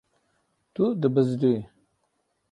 Tu dibizdî.